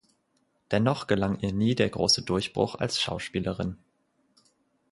Dennoch gelang ihr nie der große Durchbruch als Schauspielerin.